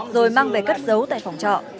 rồi mang về cất dấu tại phòng trọ